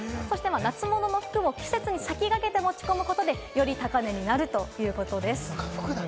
夏物の服も季節に先駆けて持ち込むことで、より高値になるということです。